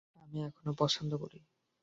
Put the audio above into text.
আমি এখনো পছন্দ করি।